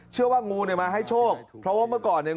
เชื่อว่างูมาให้โชคเพราะว่าเมื่อก่อนเนี่ย